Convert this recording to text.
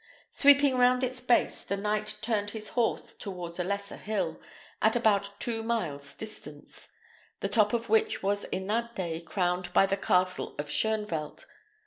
Sweeping round its base, the knight turned his horse towards a lesser hill, at about two miles' distance, the top of which was in that day crowned by the castle of Shoenvelt.